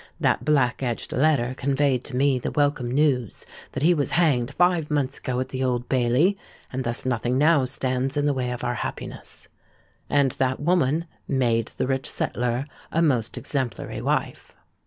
That black edged letter conveyed to me the welcome news that he was hanged five months ago at the Old Bailey; and thus nothing now stands in the way of our happiness_.'—And that woman made the rich settler a most exemplary wife.